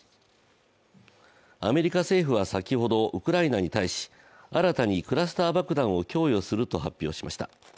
アメリカ政府は先ほど、ウクライナに対し、新たにクラスター爆弾を供与すると発表しました。